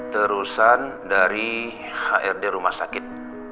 terusan dari hrd rumah sakit